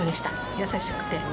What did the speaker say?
優しくて。